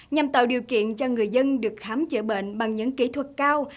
nhằm tạo điều kiện cho người dân được khám chữa bệnh bằng những kỹ thuật cao